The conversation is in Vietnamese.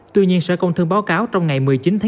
tuy nhiên sở công thương báo cáo trong ngày một mươi chín chín